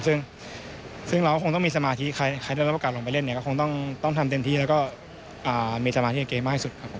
ซึ่งเราก็คงต้องมีสมาธิใครได้รับโอกาสลงไปเล่นเนี่ยก็คงต้องทำเต็มที่แล้วก็มีสมาธิกับเกมมากที่สุดครับผม